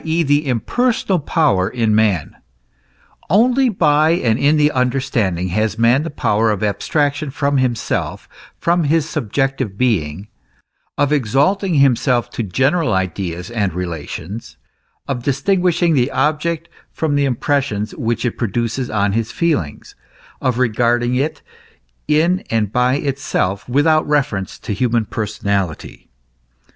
e., the impersonal power in man. Only by and in the understanding has man the power of abstraction from himself, from his subjective being, of exalting himself to general ideas and relations, of distinguishing the object from the impressions which it produces on his feelings, of regarding it in and by itself without reference to human personality.